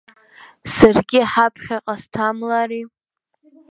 Саргьы ҳаԥхьаҟа сҭамлари.